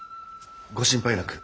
ご心配なく。